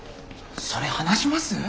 それ話します？